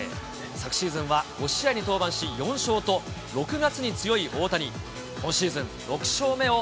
昨シーズンは５試合に登板し４勝と６月に強い大谷。